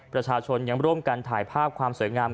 ประชาชนยังร่วมกันถ่ายภาพความสวยงาม